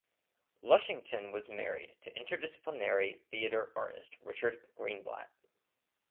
Lushington was married to interdisciplinary theatre artist Richard Greenblatt.